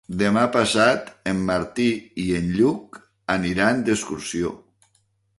Demà passat en Martí i en Lluc aniran d'excursió.